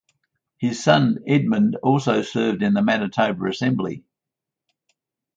His son Edmond also served in the Manitoba assembly.